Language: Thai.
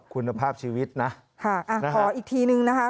คุณภาพชีวิตนะค่ะขออีกทีนึงนะคะ